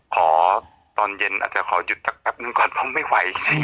ขอตอนเย็นอาจจะขอหยุดแป๊บนึงก่อนไม่ไหว